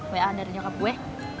wa dari nyokap gue